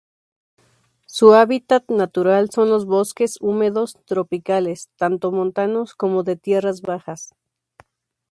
Su hábitat natural son los bosques húmedos tropicales tanto montanos como de tierras bajas.